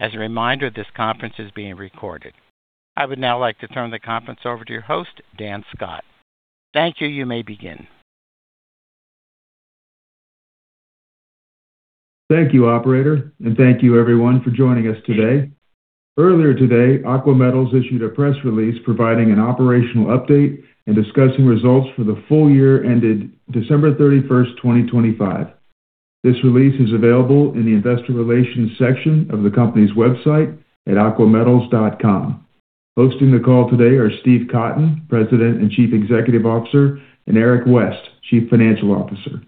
As a reminder, this conference is being recorded. I would now like to turn the conference over to your host, Dan Scott. Thank you. You may begin. Thank you operator, and thank you everyone for joining us today. Earlier today, Aqua Metals issued a press release providing an operational update and discussing results for the full year ended December 31st, 2025. This release is available in the investor relations section of the company's website at aquametals.com. Hosting the call today are Steve Cotton, President and Chief Executive Officer, and Eric West, Chief Financial Officer.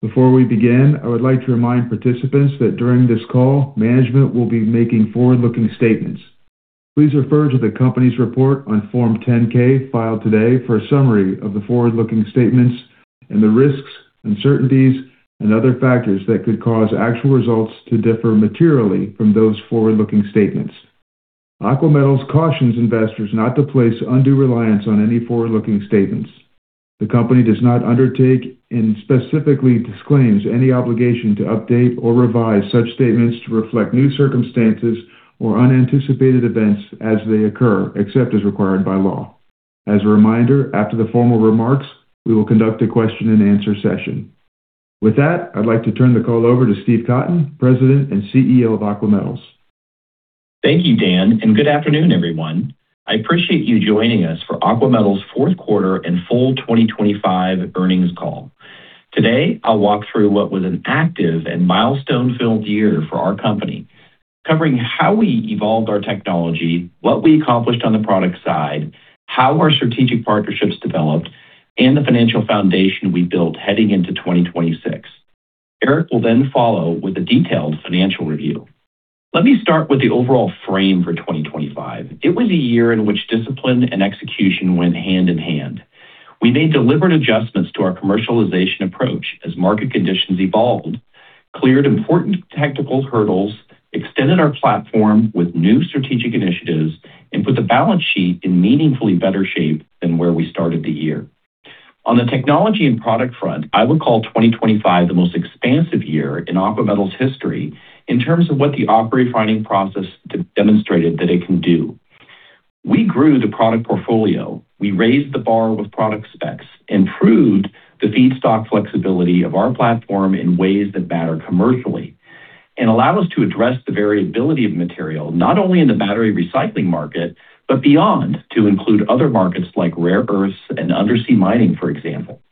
Before we begin, I would like to remind participants that during this call, management will be making forward-looking statements. Please refer to the company's report on Form 10-K filed today for a summary of the forward-looking statements and the risks, uncertainties and other factors that could cause actual results to differ materially from those forward-looking statements. Aqua Metals cautions investors not to place undue reliance on any forward-looking statements. The company does not undertake and specifically disclaims any obligation to update or revise such statements to reflect new circumstances or unanticipated events as they occur, except as required by law. As a reminder, after the formal remarks, we will conduct a question-and-answer session. With that, I'd like to turn the call over to Steve Cotton, President and CEO of Aqua Metals. Thank you, Dan, and good afternoon, everyone. I appreciate you joining us for Aqua Metals' fourth quarter and full 2025 earnings call. Today, I'll walk through what was an active and milestone-filled year for our company, covering how we evolved our technology, what we accomplished on the product side, how our strategic partnerships developed, and the financial foundation we built heading into 2026. Eric will then follow with a detailed financial review. Let me start with the overall frame for 2025. It was a year in which discipline and execution went hand in hand. We made deliberate adjustments to our commercialization approach as market conditions evolved, cleared important technical hurdles, extended our platform with new strategic initiatives, and put the balance sheet in meaningfully better shape than where we started the year. On the technology and product front, I would call 2025 the most expansive year in Aqua Metals' history in terms of what the AquaRefining process demonstrated that it can do. We grew the product portfolio. We raised the bar with product specs, improved the feedstock flexibility of our platform in ways that matter commercially, and allow us to address the variability of material not only in the battery recycling market, but beyond to include other markets like rare earths and undersea mining, for example.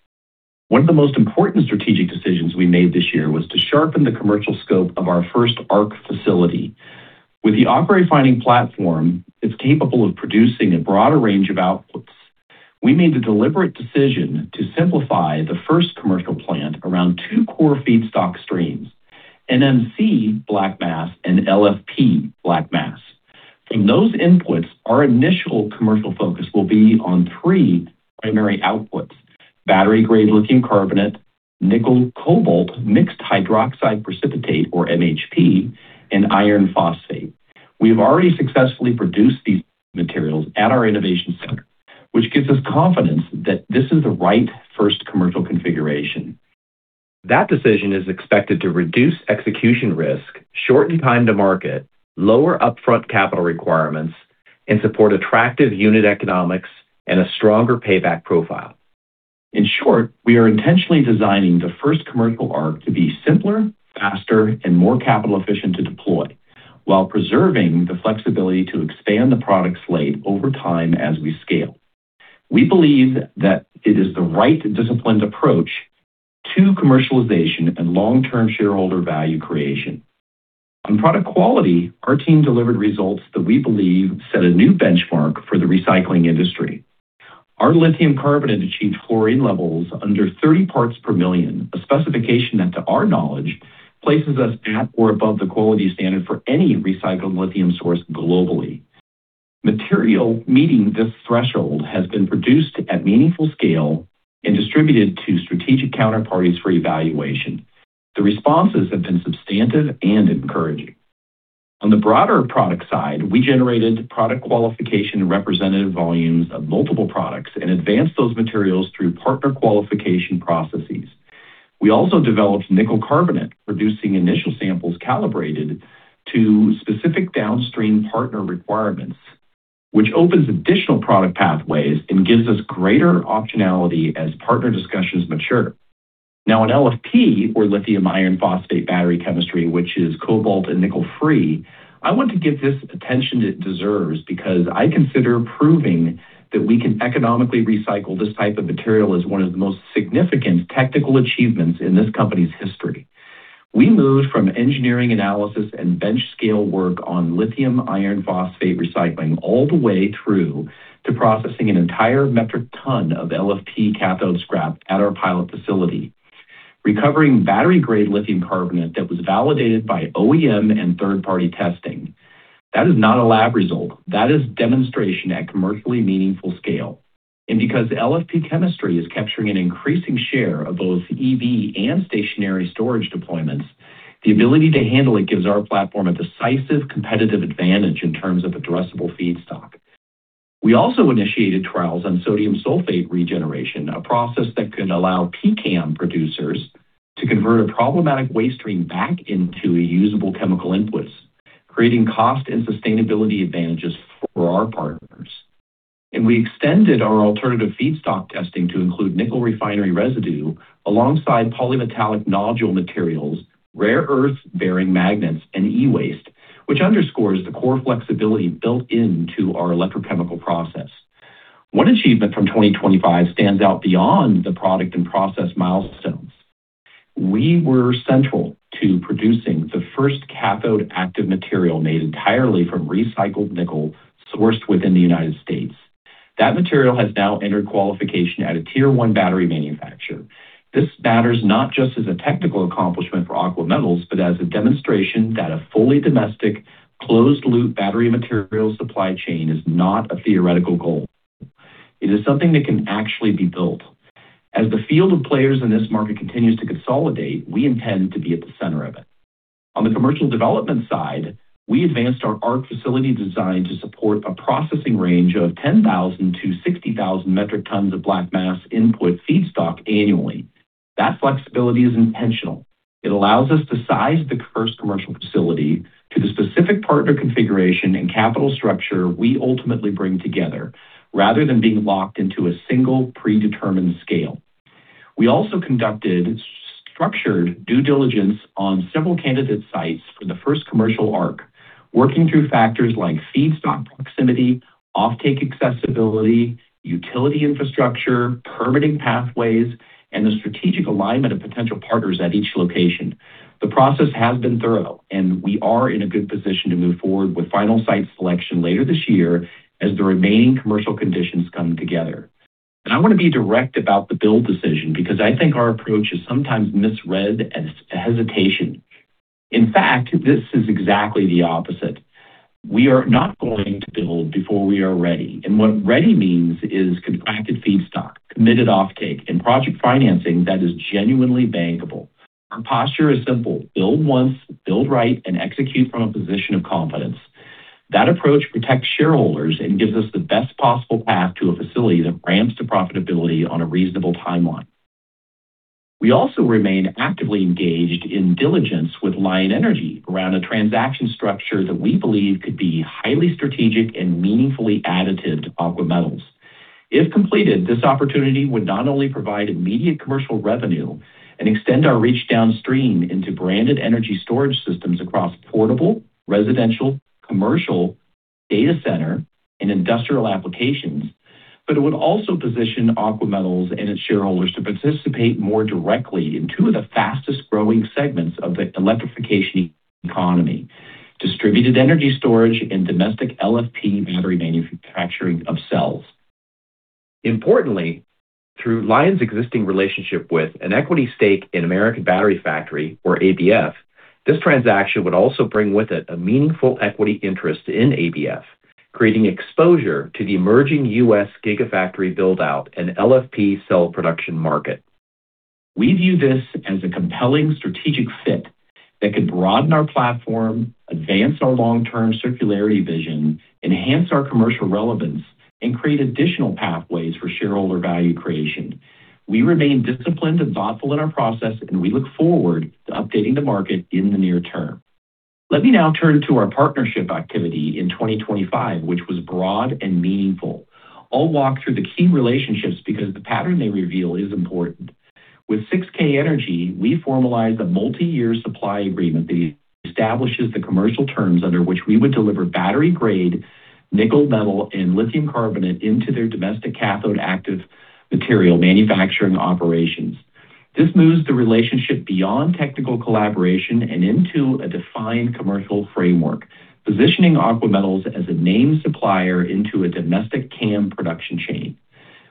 One of the most important strategic decisions we made this year was to sharpen the commercial scope of our first ARC facility. With the AquaRefining platform, it's capable of producing a broader range of outputs. We made the deliberate decision to simplify the first commercial plant around two core feedstock streams, NMC black mass and LFP black mass. From those inputs, our initial commercial focus will be on three primary outputs, battery-grade lithium carbonate, nickel-cobalt mixed hydroxide precipitate or MHP, and iron phosphate. We have already successfully produced these materials at our Innovation Center, which gives us confidence that this is the right first commercial configuration. That decision is expected to reduce execution risk, shorten time to market, lower upfront capital requirements, and support attractive unit economics and a stronger payback profile. In short, we are intentionally designing the first commercial ARC to be simpler, faster, and more capital efficient to deploy while preserving the flexibility to expand the product slate over time as we scale. We believe that it is the right disciplined approach to commercialization and long-term shareholder value creation. On product quality, our team delivered results that we believe set a new benchmark for the recycling industry. Our lithium carbonate achieved fluorine levels under 30 parts per million, a specification that, to our knowledge, places us at or above the quality standard for any recycled lithium source globally. Material meeting this threshold has been produced at meaningful scale and distributed to strategic counterparties for evaluation. The responses have been substantive and encouraging. On the broader product side, we generated product qualification and representative volumes of multiple products and advanced those materials through partner qualification processes. We also developed nickel carbonate, producing initial samples calibrated to specific downstream partner requirements, which opens additional product pathways and gives us greater optionality as partner discussions mature. Now on LFP or lithium iron phosphate battery chemistry, which is cobalt and nickel free, I want to give this attention it deserves because I consider proving that we can economically recycle this type of material as one of the most significant technical achievements in this company's history. We moved from engineering analysis and bench scale work on lithium iron phosphate recycling all the way through to processing an entire metric ton of LFP cathode scrap at our pilot facility, recovering battery-grade lithium carbonate that was validated by OEM and third-party testing. That is not a lab result. That is demonstration at commercially meaningful scale. Because LFP chemistry is capturing an increasing share of both EV and stationary storage deployments, the ability to handle it gives our platform a decisive competitive advantage in terms of addressable feedstock. We also initiated trials on sodium sulfate regeneration, a process that could allow PCAM producers to convert a problematic waste stream back into a usable chemical input, creating cost and sustainability advantages for our partners. We extended our alternative feedstock testing to include nickel refinery residue alongside polymetallic nodule materials, rare earths-bearing magnets, and e-waste, which underscores the core flexibility built into our electrochemical process. One achievement from 2025 stands out beyond the product and process milestones. We were central to producing the first cathode active material made entirely from recycled nickel sourced within the United States. That material has now entered qualification at a Tier 1 battery manufacturer. This matters not just as a technical accomplishment for Aqua Metals, but as a demonstration that a fully domestic, closed-loop battery material supply chain is not a theoretical goal. It is something that can actually be built. As the field of players in this market continues to consolidate, we intend to be at the center of it. On the commercial development side, we advanced our ARC facility design to support a processing range of 10,000-60,000 metric tons of black mass input feedstock annually. That flexibility is intentional. It allows us to size the first commercial facility to the specific partner configuration and capital structure we ultimately bring together rather than being locked into a single predetermined scale. We also conducted structured due diligence on several candidate sites for the first commercial ARC, working through factors like feedstock proximity, offtake accessibility, utility infrastructure, permitting pathways, and the strategic alignment of potential partners at each location. The process has been thorough, and we are in a good position to move forward with final site selection later this year as the remaining commercial conditions come together. I want to be direct about the build decision because I think our approach is sometimes misread as hesitation. In fact, this is exactly the opposite. We are not going to build before we are ready. What ready means is contracted feedstock, committed offtake, and project financing that is genuinely bankable. Our posture is simple. Build once, build right, and execute from a position of confidence. That approach protects shareholders and gives us the best possible path to a facility that ramps to profitability on a reasonable timeline. We also remain actively engaged in diligence with Lion Energy around a transaction structure that we believe could be highly strategic and meaningfully additive to Aqua Metals. If completed, this opportunity would not only provide immediate commercial revenue and extend our reach downstream into branded energy storage systems across portable, residential, commercial, data center, and industrial applications, but it would also position Aqua Metals and its shareholders to participate more directly in two of the fastest-growing segments of the electrification economy, distributed energy storage and domestic LFP battery manufacturing of cells. Importantly, through Lion's existing relationship with an equity stake in American Battery Factory, or ABF, this transaction would also bring with it a meaningful equity interest in ABF, creating exposure to the emerging U.S. gigafactory build-out and LFP cell production market. We view this as a compelling strategic fit that could broaden our platform, advance our long-term circularity vision, enhance our commercial relevance, and create additional pathways for shareholder value creation. We remain disciplined and thoughtful in our process, and we look forward to updating the market in the near term. Let me now turn to our partnership activity in 2025, which was broad and meaningful. I'll walk through the key relationships because the pattern they reveal is important. With 6K Energy, we formalized a multi-year supply agreement that establishes the commercial terms under which we would deliver battery-grade nickel metal and lithium carbonate into their domestic cathode active material manufacturing operations. This moves the relationship beyond technical collaboration and into a defined commercial framework, positioning Aqua Metals as a named supplier into a domestic CAM production chain.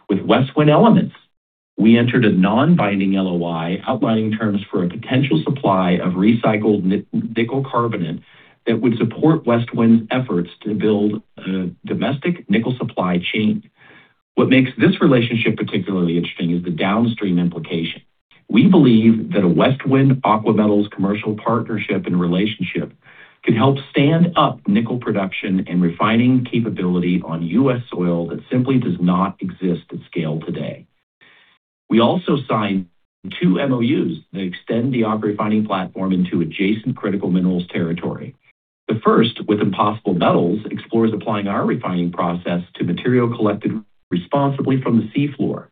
With Westwin Elements, we entered a non-binding LOI outlining terms for a potential supply of recycled nickel carbonate that would support Westwin's efforts to build a domestic nickel supply chain. What makes this relationship particularly interesting is the downstream implication. We believe that a Westwin Aqua Metals commercial partnership and relationship could help stand up nickel production and refining capability on U.S. soil that simply does not exist at scale today. We also signed two MOUs that extend the AquaRefining platform into adjacent critical minerals territory. The first, with Impossible Metals, explores applying our refining process to material collected responsibly from the seafloor,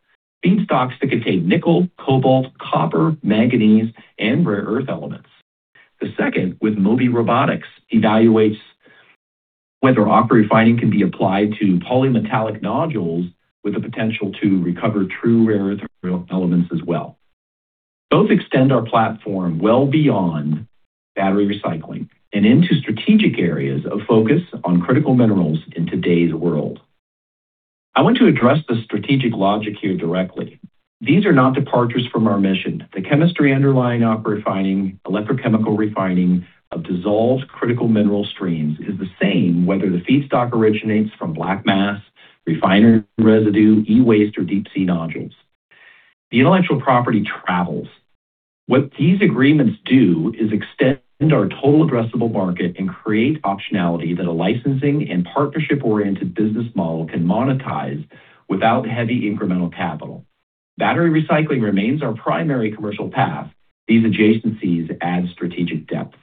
feedstocks that contain nickel, cobalt, copper, manganese, and rare earth elements. The second, with MOBY Robotics, evaluates whether AquaRefining can be applied to polymetallic nodules with the potential to recover true rare earth elements as well. Both extend our platform well beyond battery recycling and into strategic areas of focus on critical minerals in today's world. I want to address the strategic logic here directly. These are not departures from our mission. The chemistry underlying AquaRefining, electrochemical refining of dissolved critical mineral streams, is the same whether the feedstock originates from black mass, refinery residue, e-waste, or deep sea nodules. The intellectual property travels. What these agreements do is extend our total addressable market and create optionality that a licensing and partnership-oriented business model can monetize without heavy incremental capital. Battery recycling remains our primary commercial path. These adjacencies add strategic depth.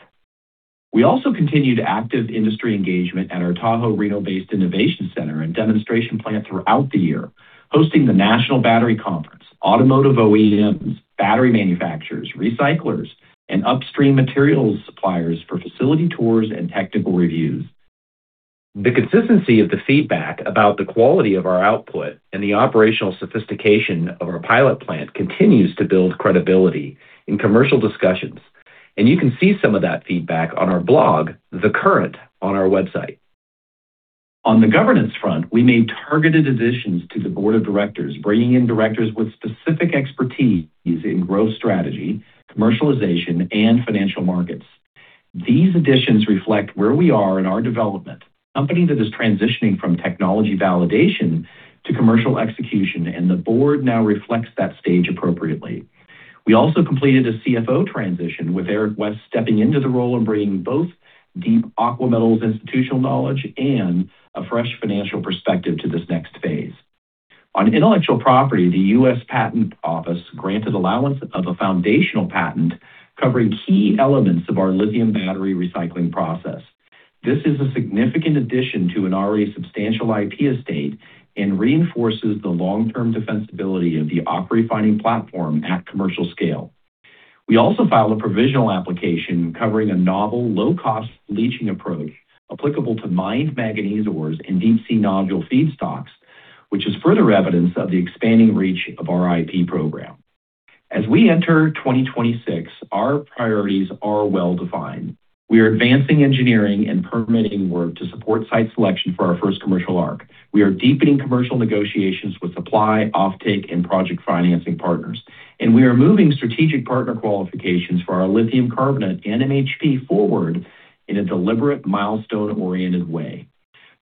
We also continued active industry engagement at our Tahoe-Reno based Innovation Center and demonstration plant throughout the year, hosting the NAATBatt Annual Meeting, automotive OEMs, battery manufacturers, recyclers, and upstream materials suppliers for facility tours and technical reviews. The consistency of the feedback about the quality of our output and the operational sophistication of our pilot plant continues to build credibility in commercial discussions, and you can see some of that feedback on our blog, The Current, on our website. On the governance front, we made targeted additions to the board of directors, bringing in directors with specific expertise in growth strategy, commercialization, and financial markets. These additions reflect where we are in our development, a company that is transitioning from technology validation to commercial execution, and the board now reflects that stage appropriately. We also completed a CFO transition, with Eric West stepping into the role and bringing both deep Aqua Metals institutional knowledge and a fresh financial perspective to this next phase. On intellectual property, the U.S. Patent Office granted allowance of a foundational patent covering key elements of our lithium battery recycling process. This is a significant addition to an already substantial IP estate and reinforces the long-term defensibility of the AquaRefining platform at commercial scale. We also filed a provisional application covering a novel low-cost leaching approach applicable to mined manganese ores and deep sea nodule feedstocks, which is further evidence of the expanding reach of our IP program. As we enter 2026, our priorities are well-defined. We are advancing engineering and permitting work to support site selection for our first commercial ARC. We are deepening commercial negotiations with supply, offtake, and project financing partners. We are moving strategic partner qualifications for our lithium carbonate and MHP forward in a deliberate milestone-oriented way.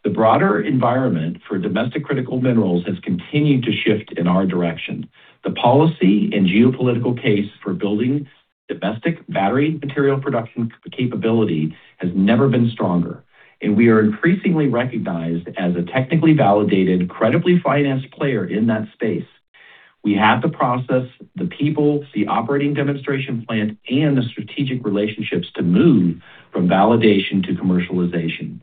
The broader environment for domestic critical minerals has continued to shift in our direction. The policy and geopolitical case for building domestic battery material production capability has never been stronger, and we are increasingly recognized as a technically validated, credibly financed player in that space. We have the process, the people, the operating demonstration plant, and the strategic relationships to move from validation to commercialization.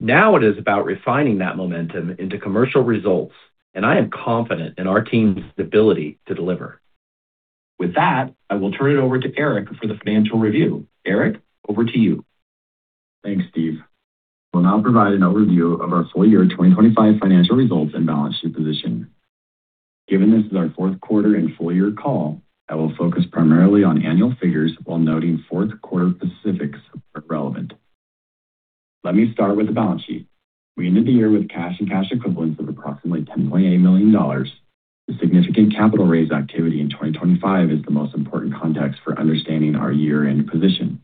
Now it is about refining that momentum into commercial results, and I am confident in our team's ability to deliver. With that, I will turn it over to Eric for the financial review. Eric, over to you. Thanks, Steve. I will now provide an overview of our full year 2025 financial results and balance sheet position. Given this is our fourth quarter and full year call, I will focus primarily on annual figures while noting fourth quarter specifics where relevant. Let me start with the balance sheet. We ended the year with cash and cash equivalents of approximately $10.8 million. The significant capital raise activity in 2025 is the most important context for understanding our year-end position.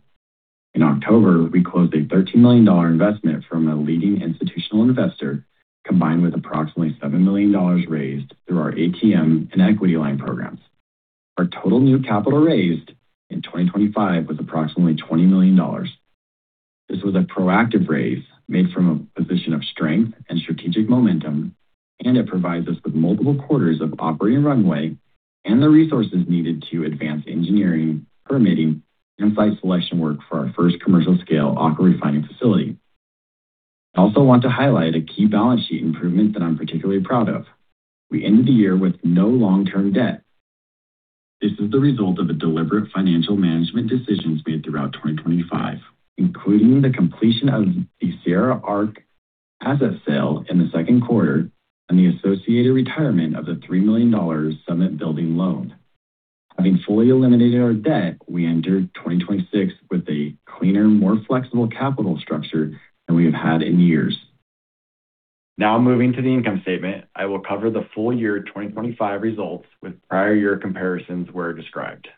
In October, we closed a $13 million investment from a leading institutional investor, combined with approximately $7 million raised through our ATM and equity line programs. Our total new capital raised in 2025 was approximately $20 million. This was a proactive raise made from a position of strength and strategic momentum, and it provides us with multiple quarters of operating runway and the resources needed to advance engineering, permitting, and site selection work for our first commercial scale AquaRefining facility. I also want to highlight a key balance sheet improvement that I'm particularly proud of. We ended the year with no long-term debt. This is the result of a deliberate financial management decisions made throughout 2025, including the completion of the Sierra ARC asset sale in the second quarter and the associated retirement of the $3 million Summit building loan. Having fully eliminated our debt, we entered 2026 with a cleaner, more flexible capital structure than we have had in years. Now moving to the income statement, I will cover the full year 2025 results with prior year comparisons where described.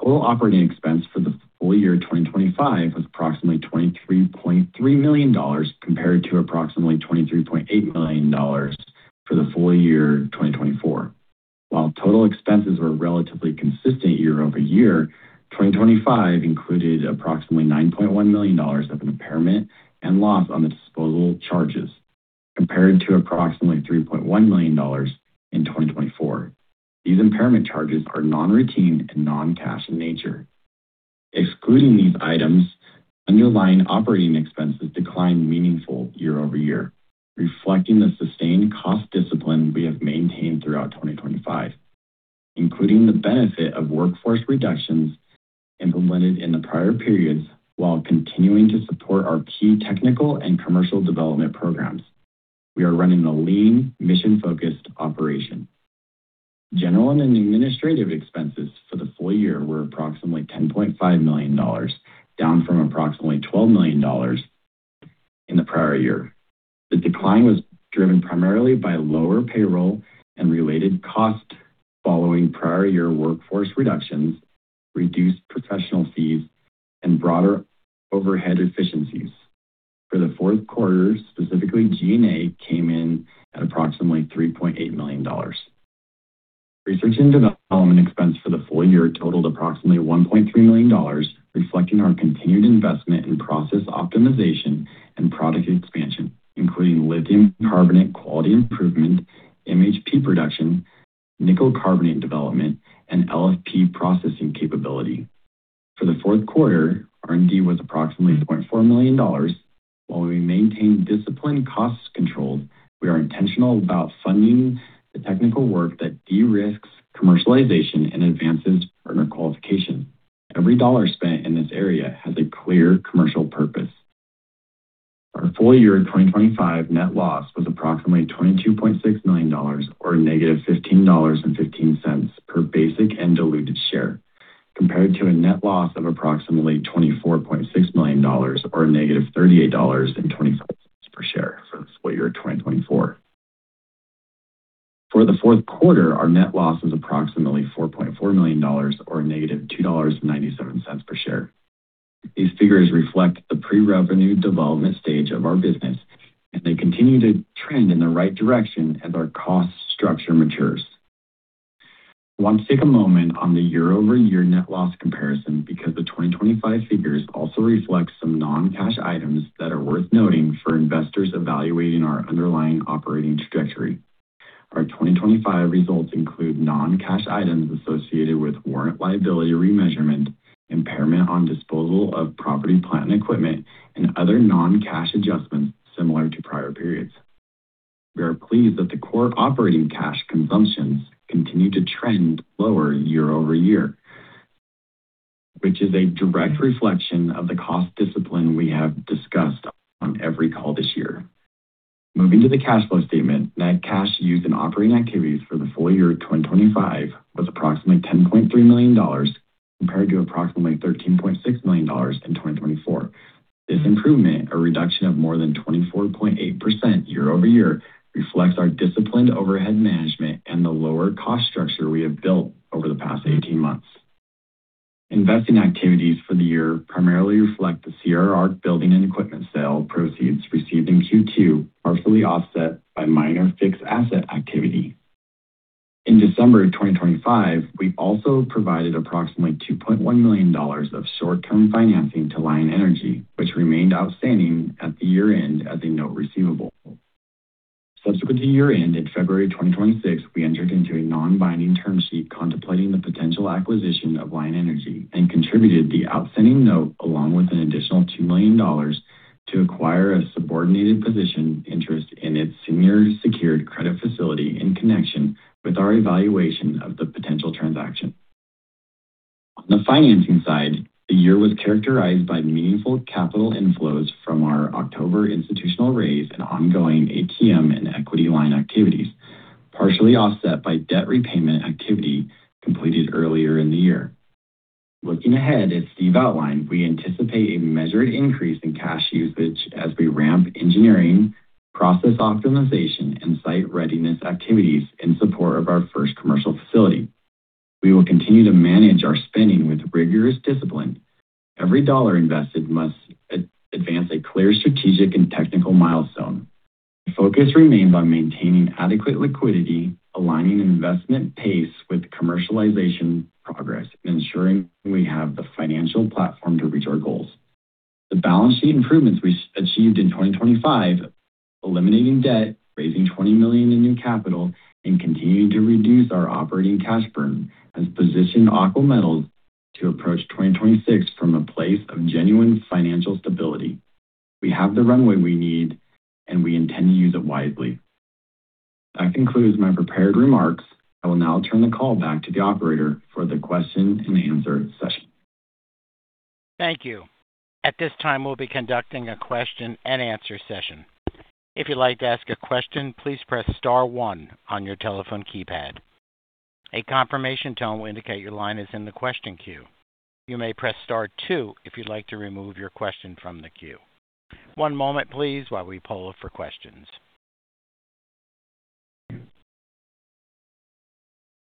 Total operating expense for the full year 2025 was approximately $23.3 million compared to approximately $23.8 million for the full year 2024. While total expenses were relatively consistent year-over-year, 2025 included approximately $9.1 million of impairment and loss on the disposal charges compared to approximately $3.1 million in 2024. These impairment charges are non-routine and non-cash in nature. Excluding these items, underlying operating expenses declined meaningfully year-over-year, reflecting the sustained cost discipline we have maintained throughout 2025, including the benefit of workforce reductions implemented in the prior periods while continuing to support our key technical and commercial development programs. We are running a lean, mission-focused operation. General and administrative expenses for the full year were approximately $10.5 million, down from approximately $12 million in the prior year. The decline was driven primarily by lower payroll and related costs following prior year workforce reductions, reduced professional fees, and broader overhead efficiencies. For the fourth quarter, specifically, G&A came in at approximately $3.8 million. Research and development expense for the full year totaled approximately $1.3 million, reflecting our continued investment in process optimization and product expansion, including lithium carbonate quality improvement, MHP production, nickel carbonate development, and LFP processing capability. For the fourth quarter, R&D was approximately $0.4 million. While we maintain disciplined cost control, we are intentional about funding the technical work that de-risks commercialization and advances partner qualification. Every dollar spent in this area has a clear commercial purpose. Our full year 2025 net loss was approximately $22.6 million or -$15.15 per basic and diluted share, compared to a net loss of approximately $24.6 million or -$38.20 per share for the [split year] of 2024. For the fourth quarter, our net loss was approximately $4.4 million or -$2.97 per share. These figures reflect the pre-revenue development stage of our business, and they continue to trend in the right direction as our cost structure matures. I want to take a moment on the year-over-year net loss comparison because the 2025 figures also reflect some non-cash items that are worth noting for investors evaluating our underlying operating trajectory. Our 2025 results include non-cash items associated with warrant liability remeasurement, impairment on disposal of property, plant, and equipment, and other non-cash adjustments similar to prior periods. We are pleased that the core operating cash consumptions continue to trend lower year-over-year, which is a direct reflection of the cost discipline we have discussed on every call this year. Moving to the cash flow statement. Net cash used in operating activities for the full year 2025 was approximately $10.3 million compared to approximately $13.6 million in 2024. This improvement, a reduction of more than 24.8% year-over-year, reflects our disciplined overhead management and the lower cost structure we have built over the past 18 months. Investing activities for the year primarily reflect the CRR building and equipment sale proceeds received in Q2, partially offset by minor fixed asset activity. In December 2025, we also provided approximately $2.1 million of short-term financing to Lion Energy, which remained outstanding at the year-end as a note receivable. Subsequent to year-end, in February 2026, we entered into a non-binding term sheet contemplating the potential acquisition of Lion Energy and contributed the outstanding note, along with an additional $2 million to acquire a subordinated position interest in its senior secured credit facility in connection with our evaluation of the potential transaction. On the financing side, the year was characterized by meaningful capital inflows from our October institutional raise and ongoing ATM and equity line activities, partially offset by debt repayment activity completed earlier in the year. Looking ahead, as Steve outlined, we anticipate a measured increase in cash usage as we ramp engineering, process optimization, and site readiness activities in support of our first commercial facility. We will continue to manage our spending with rigorous discipline. Every dollar invested must advance a clear strategic and technical milestone. The focus remains on maintaining adequate liquidity, aligning investment pace with commercialization progress, and ensuring we have the financial platform to reach our goals. The balance sheet improvements we achieved in 2025, eliminating debt, raising $20 million in new capital, and continuing to reduce our operating cash burn has positioned Aqua Metals to approach 2026 from a place of genuine financial stability. We have the runway we need, and we intend to use it wisely. That concludes my prepared remarks. I will now turn the call back to the operator for the question and answer session. Thank you. At this time, we'll be conducting a question and answer session. If you'd like to ask a question, please press star one on your telephone keypad. A confirmation tone will indicate your line is in the question queue. You may press star two if you'd like to remove your question from the queue. One moment, please, while we poll for questions.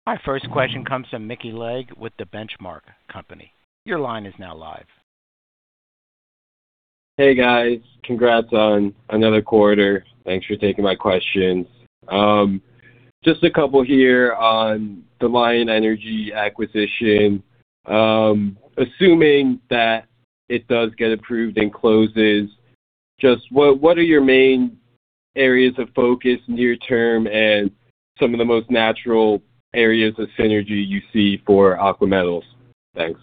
Our first question comes from Mickey Legg with The Benchmark Company. Your line is now live. Hey, guys. Congrats on another quarter. Thanks for taking my questions. Just a couple here on the Lion Energy acquisition. Assuming that it does get approved and closes, just what are your main areas of focus near term and some of the most natural areas of synergy you see for Aqua Metals? Thanks.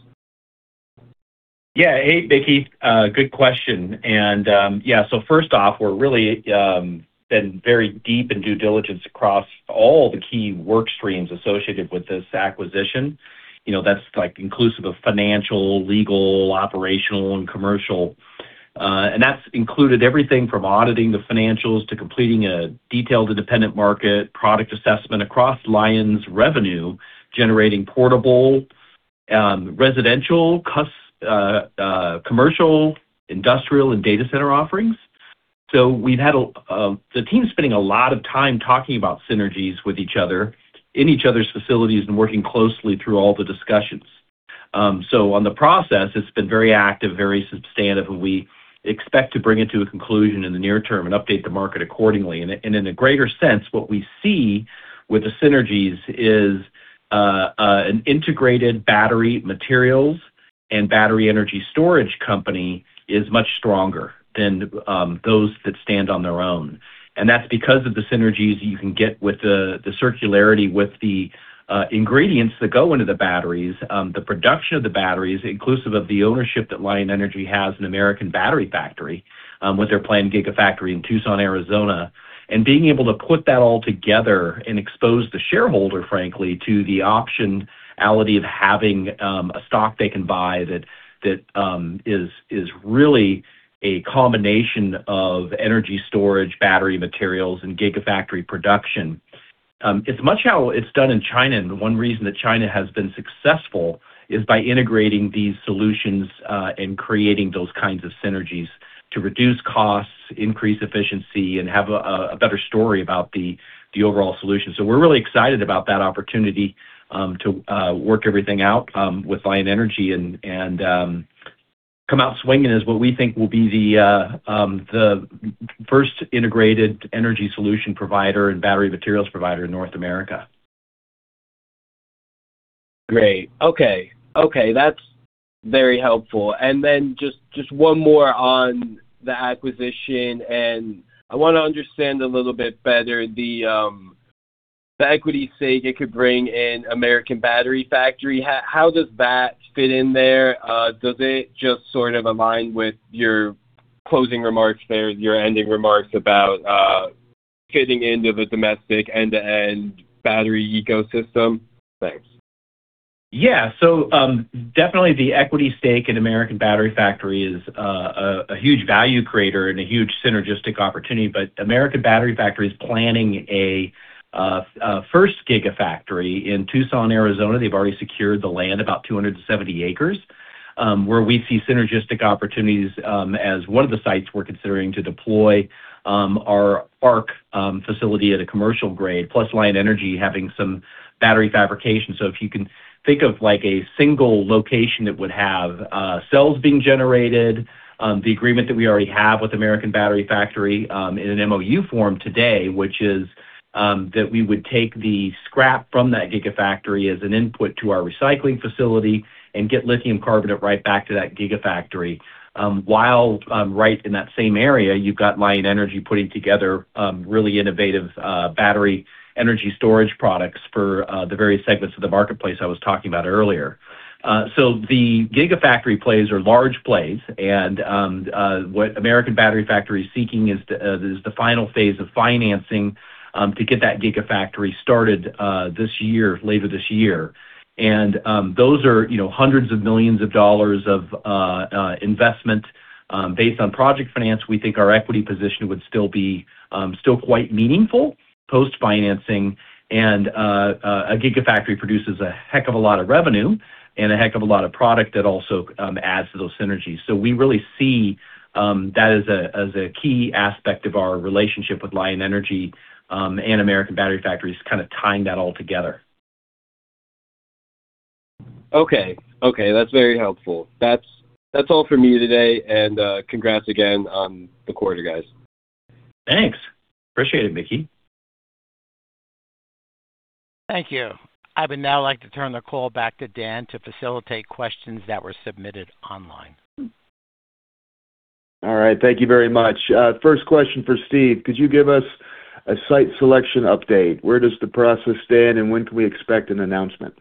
Yeah. Hey, Mickey. Good question. Yeah. First off, we're really been very deep in due diligence across all the key work streams associated with this acquisition. You know, that's, like, inclusive of financial, legal, operational, and commercial. That's included everything from auditing the financials to completing a detailed independent market product assessment across Lion's revenue-generating portable, residential, commercial, industrial, and data center offerings. We've had the team's spending a lot of time talking about synergies with each other in each other's facilities and working closely through all the discussions. On the process, it's been very active, very substantive, and we expect to bring it to a conclusion in the near term and update the market accordingly. In a greater sense, what we see with the synergies is an integrated battery materials and battery energy storage company is much stronger than those that stand on their own. That's because of the synergies you can get with the circularity with the ingredients that go into the batteries, the production of the batteries, inclusive of the ownership that Lion Energy has in American Battery Factory, with their planned gigafactory in Tucson, Arizona. Being able to put that all together and expose the shareholder, frankly, to the optionality of having a stock they can buy that is really a combination of energy storage, battery materials, and gigafactory production. It's much how it's done in China, and the one reason that China has been successful is by integrating these solutions and creating those kinds of synergies to reduce costs, increase efficiency, and have a better story about the overall solution. We're really excited about that opportunity to work everything out with Lion Energy and come out swinging is what we think will be the first integrated energy solution provider and battery materials provider in North America. Great. Okay. That's very helpful. Just one more on the acquisition, and I wanna understand a little bit better the equity stake it could bring in American Battery Factory. How does that fit in there? Does it just sort of align with your closing remarks there, your ending remarks about getting into the domestic end-to-end battery ecosystem? Thanks. Yeah. Definitely the equity stake in American Battery Factory is a huge value creator and a huge synergistic opportunity. American Battery Factory is planning a first gigafactory in Tucson, Arizona. They've already secured the land, about 270 acres, where we see synergistic opportunities, as one of the sites we're considering to deploy our ARC facility at a commercial grade, plus Lion Energy having some battery fabrication. If you can think of like a single location that would have cells being generated, the agreement that we already have with American Battery Factory in an MOU form today, which is that we would take the scrap from that gigafactory as an input to our recycling facility and get lithium carbonate right back to that gigafactory. While right in that same area, you've got Lion Energy putting together really innovative battery energy storage products for the various segments of the marketplace I was talking about earlier. The gigafactory plays are large plays, and what American Battery Factory is seeking is the final phase of financing to get that gigafactory started this year, later this year. Those are, you know, hundreds of millions of dollars of investment based on project finance. We think our equity position would still be quite meaningful post-financing. A gigafactory produces a heck of a lot of revenue and a heck of a lot of product that also adds to those synergies. We really see that as a key aspect of our relationship with Lion Energy and American Battery Factory, just kind of tying that all together. Okay. Okay, that's very helpful. That's all for me today. Congrats again on the quarter, guys. Thanks. I appreciate it, Mickey. Thank you. I would now like to turn the call back to Dan to facilitate questions that were submitted online. All right. Thank you very much. First question for Steve. Could you give us a site selection update? Where does the process stand, and when can we expect an announcement?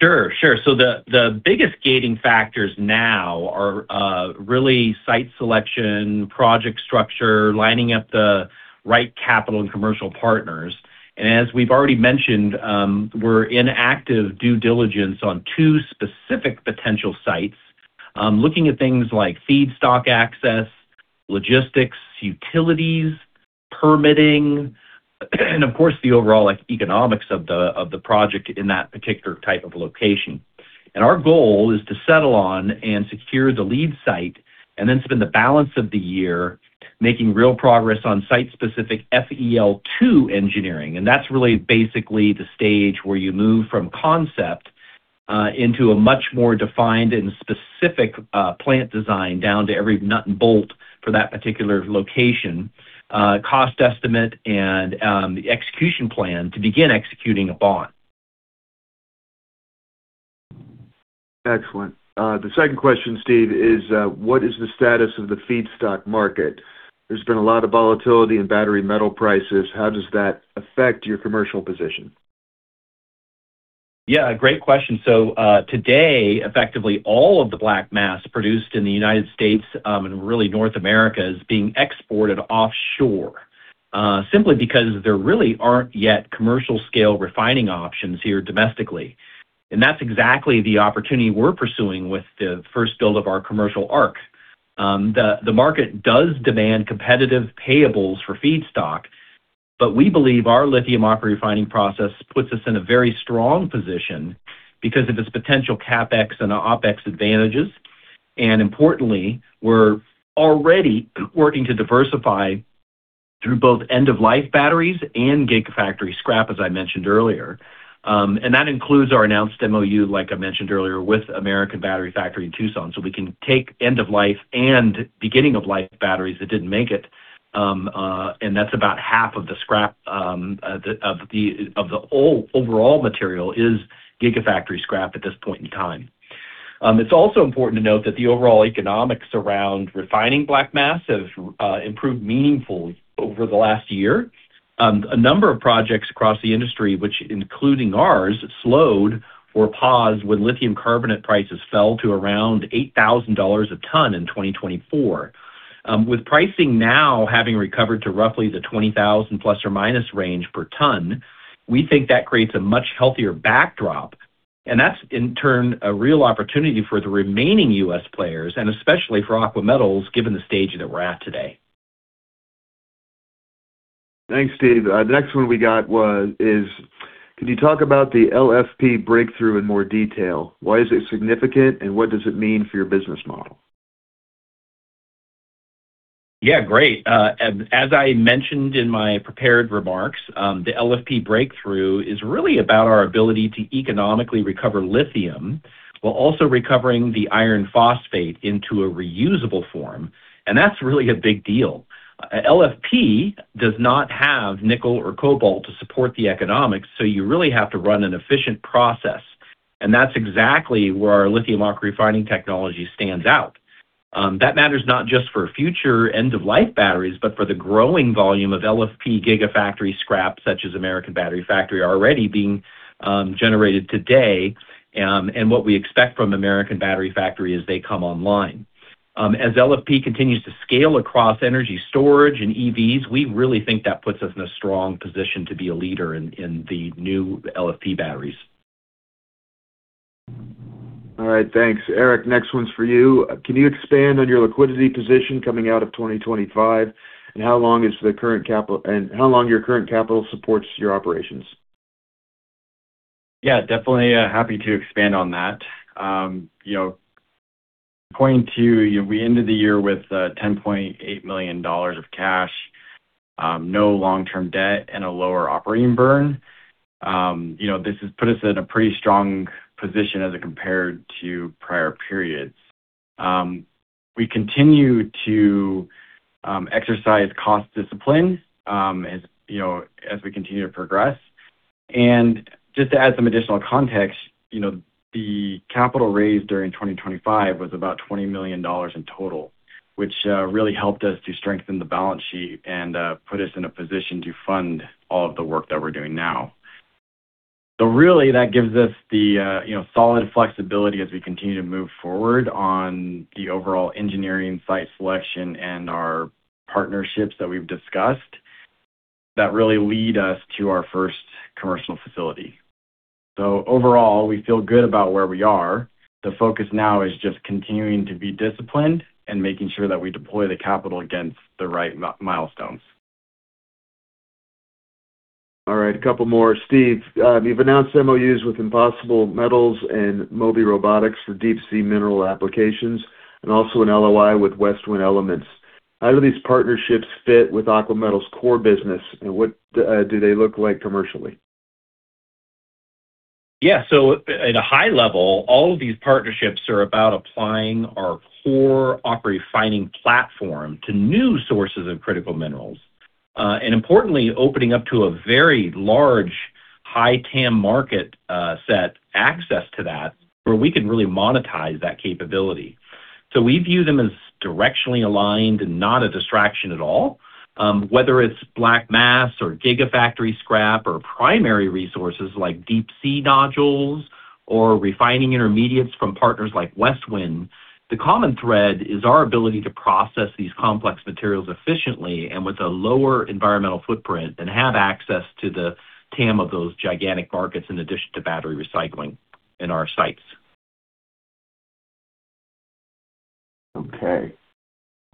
Sure. The biggest gating factors now are really site selection, project structure, lining up the right capital and commercial partners. As we've already mentioned, we're in active due diligence on two specific potential sites, looking at things like feedstock access, logistics, utilities, permitting, and of course, the overall economics of the project in that particular type of location. Our goal is to settle on and secure the lead site and then spend the balance of the year making real progress on site-specific FEL2 engineering. That's really basically the stage where you move from concept into a much more defined and specific plant design down to every nut and bolt for that particular location, cost estimate, and the execution plan to begin executing upon. Excellent. The second question, Steve, is what is the status of the feedstock market? There's been a lot of volatility in battery metal prices. How does that affect your commercial position? Yeah, great question. Today, effectively, all of the black mass produced in the United States and really North America is being exported offshore, simply because there really aren't yet commercial scale refining options here domestically. That's exactly the opportunity we're pursuing with the first build of our commercial ARC. The market does demand competitive payables for feedstock, but we believe our lithium AquaRefining process puts us in a very strong position because of its potential CapEx and OpEx advantages. Importantly, we're already working to diversify through both end-of-life batteries and gigafactory scrap, as I mentioned earlier. That includes our announced MOU, like I mentioned earlier, with American Battery Factory in Tucson. We can take end-of-life and beginning-of-life batteries that didn't make it, and that's about half of the scrap, of the overall material is gigafactory scrap at this point in time. It's also important to note that the overall economics around refining black mass have improved meaningfully over the last year. A number of projects across the industry, which including ours, slowed or paused when lithium carbonate prices fell to around $8,000 a ton in 2024. With pricing now having recovered to roughly the $20,000 plus or minus range per ton, we think that creates a much healthier backdrop, and that's, in turn, a real opportunity for the remaining U.S. players and especially for Aqua Metals, given the stage that we're at today. Thanks, Steve. The next one we got was, can you talk about the LFP breakthrough in more detail? Why is it significant, and what does it mean for your business model? Yeah, great. As I mentioned in my prepared remarks, the LFP breakthrough is really about our ability to economically recover lithium while also recovering the iron phosphate into a reusable form, and that's really a big deal. LFP does not have nickel or cobalt to support the economics, so you really have to run an efficient process, and that's exactly where our lithium refining technology stands out. That matters not just for future end-of-life batteries, but for the growing volume of LFP gigafactory scrap, such as American Battery Factory already being generated today, and what we expect from American Battery Factory as they come online. As LFP continues to scale across energy storage and EVs, we really think that puts us in a strong position to be a leader in the new LFP batteries. All right. Thanks. Eric, next one's for you. Can you expand on your liquidity position coming out of 2025? How long your current capital supports your operations? Yeah, definitely, happy to expand on that. You know, pointing to, you know, we ended the year with $10.8 million of cash, no long-term debt and a lower operating burn. You know, this has put us in a pretty strong position as it compared to prior periods. We continue to exercise cost discipline, as you know, as we continue to progress. Just to add some additional context, you know, the capital raised during 2025 was about $20 million in total, which really helped us to strengthen the balance sheet and put us in a position to fund all of the work that we're doing now. Really, that gives us the, you know, solid flexibility as we continue to move forward on the overall engineering site selection and our partnerships that we've discussed that really lead us to our first commercial facility. Overall, we feel good about where we are. The focus now is just continuing to be disciplined and making sure that we deploy the capital against the right milestones. All right, a couple more. Steve, you've announced MOUs with Impossible Metals and MOBY Robotics for deep sea mineral applications and also an LOI with Westwin Elements. How do these partnerships fit with Aqua Metals' core business, and what do they look like commercially? Yeah, at a high level, all of these partnerships are about applying our core AquaRefining platform to new sources of critical minerals. Importantly, opening up to a very large high TAM market, get access to that where we can really monetize that capability. We view them as directionally aligned and not a distraction at all. Whether it's black mass or gigafactory scrap or primary resources like deep sea nodules or refining intermediates from partners like Westwin, the common thread is our ability to process these complex materials efficiently and with a lower environmental footprint and have access to the TAM of those gigantic markets in addition to battery recycling in our sights. Okay.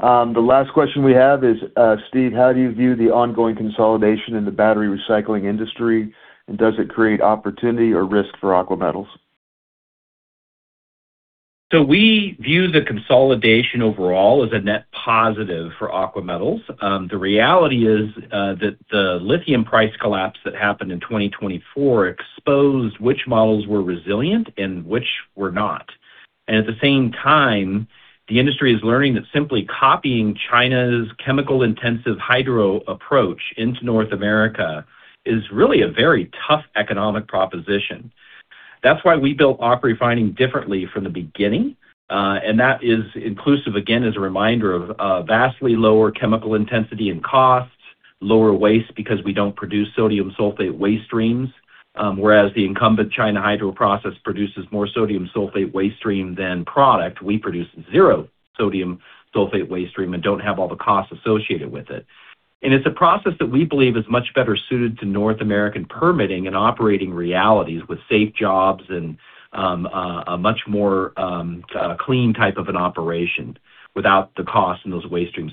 The last question we have is, Steve, how do you view the ongoing consolidation in the battery recycling industry, and does it create opportunity or risk for Aqua Metals? We view the consolidation overall as a net positive for Aqua Metals. The reality is that the lithium price collapse that happened in 2024 exposed which models were resilient and which were not. At the same time, the industry is learning that simply copying China's chemical-intensive hydro approach into North America is really a very tough economic proposition. That's why we built AquaRefining differently from the beginning. That is inclusive, again, as a reminder of vastly lower chemical intensity and costs, lower waste because we don't produce sodium sulfate waste streams. Whereas the incumbent Chinese hydro process produces more sodium sulfate waste stream than product, we produce zero sodium sulfate waste stream and don't have all the costs associated with it. It's a process that we believe is much better suited to North American permitting and operating realities with safe jobs and a much more clean type of an operation without the cost in those waste streams.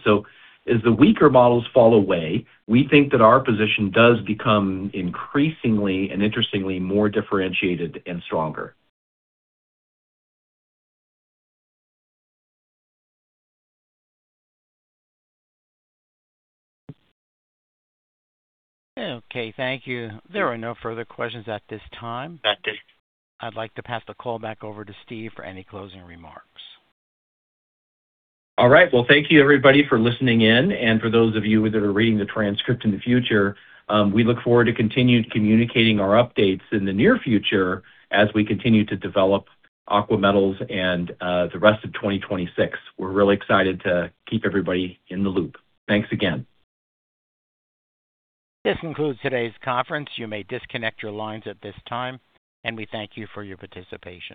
As the weaker models fall away, we think that our position does become increasingly and interestingly more differentiated and stronger. Okay, thank you. There are no further questions at this time. I'd like to pass the call back over to Steve for any closing remarks. All right. Well, thank you everybody, for listening in. For those of you that are reading the transcript in the future, we look forward to continued communicating our updates in the near future as we continue to develop Aqua Metals and, the rest of 2026. We're really excited to keep everybody in the loop. Thanks again. This concludes today's conference. You may disconnect your lines at this time, and we thank you for your participation.